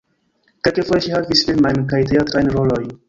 Kelkfoje ŝi havis filmajn kaj teatrajn rolojn.